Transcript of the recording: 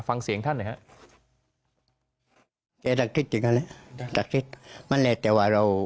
ฟังเสียงท่านนะฮะ